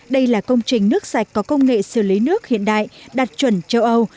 đây là công trình nước sạch có công nghệ xử lý nước hiện đại đạt chuẩn châu âu